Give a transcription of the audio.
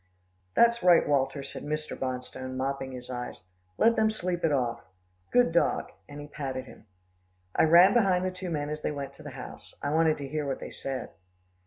"That's right, Walter," said Mr. Bonstone mopping his eyes, "let them sleep it off. Good dog," and he patted him. I ran behind the two men as they went to the house. I wanted to hear what they said.